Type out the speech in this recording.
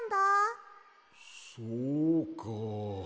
そうか。